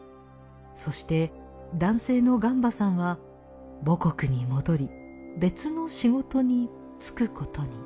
そして男性のガンバさんは母国に戻り別の仕事に就くことに。